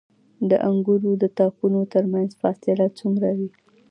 د انګورو د تاکونو ترمنځ فاصله څومره وي؟